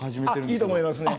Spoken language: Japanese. あっいいと思いますね。